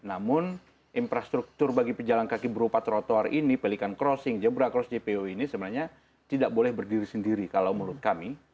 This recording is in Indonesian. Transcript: namun infrastruktur bagi pejalan kaki berupa trotoar ini pelikan crossing jebrak cross jpo ini sebenarnya tidak boleh berdiri sendiri kalau menurut kami